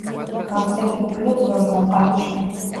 გავრცელებულია ძველ სამყაროში.